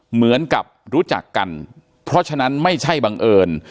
เหมือนกับรู้จักกันเพราะฉะนั้นไม่ใช่บังเอิญ